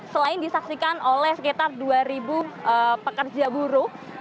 selain disaksikan oleh sekitar dua pekerja buruh